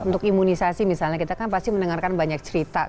untuk imunisasi misalnya kita kan pasti mendengarkan banyak cerita